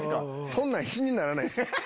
そんなん比にならないっす。